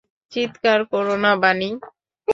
চিৎকার করো না, বানি।